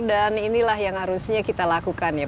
dan inilah yang harusnya kita lakukan ya